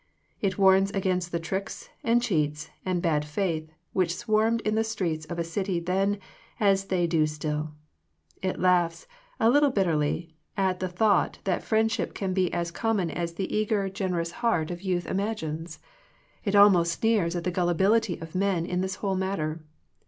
It warns against the tricks, and cheats, and bad faith, which swarmed in the streets of a city then, as they do still. It laughs, a little bitterly, at the thought that friend ship can be as common as the eager, gen 36 Digitized by VjOOQIC THE CULTURE OF FRIENDSHIP erous heart of youth imagines. It almost sneers at the gullibility of men in this whole matter.